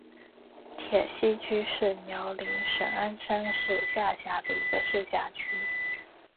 铁西区是辽宁省鞍山市下辖的一个市辖区。